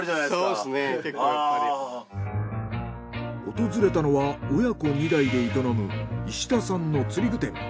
訪れたのは親子２代で営む石田さんの釣具店。